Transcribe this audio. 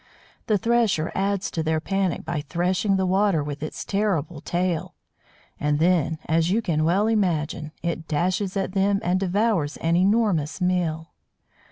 The Thresher adds to their panic by threshing the water with its terrible tail. And then, as you can well imagine, it dashes at them and devours an enormous meal.